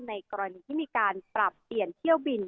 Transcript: ในกรณีที่มีการปรับเปลี่ยนเที่ยวบิน